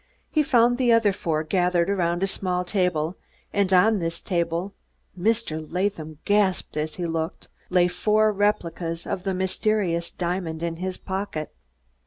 He found the other four gathered around a small table, and on this table Mr. Latham gasped as he looked lay four replicas of the mysterious diamond in his pocket.